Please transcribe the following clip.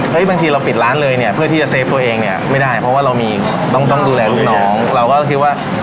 บางทีเราปิดร้านเลยเนี่ยเพื่อที่จะเฟฟตัวเองเนี่ยไม่ได้เพราะว่าเรามีต้องต้องดูแลลูกน้องเราก็คิดว่า